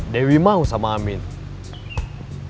dewi mau sama amin